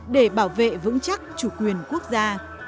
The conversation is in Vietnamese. để bảo vệ vững chắc chủ quyền quốc gia